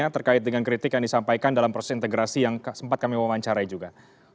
terkait dengan kritik yang disampaikan dalam proses integrasi yang sempat kami wawancarai juga